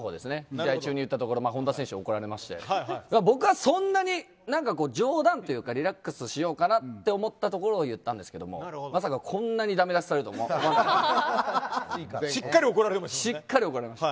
試合中に言ったところ本田選手に怒られまして僕は、そんなに冗談というかリラックスしようかなと思ったところで言ったんですがまさかこんなにダメ出しされるとは思わなかった。